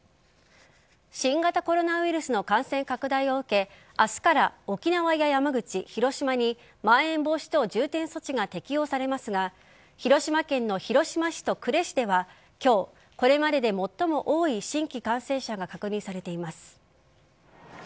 新型コロナウイルスの感染拡大を受け明日から沖縄や山口広島に、まん延防止等重点措置が適用されますが広島県の広島市と呉市では今日、これまでで最も多い新規感染者が確認されています。